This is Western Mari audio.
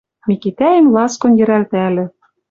Микитӓэм ласкон йӹрӓлтӓльӹ